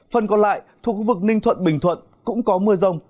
phần còn lại thuộc khu vực ninh thuận bình thuận cũng có mưa rông